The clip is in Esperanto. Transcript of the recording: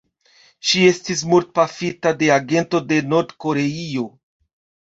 Ŝi estis mortpafita de agento de Nord-Koreio.